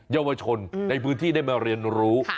เยาวชนในพื้นที่ได้มาเรียนรู้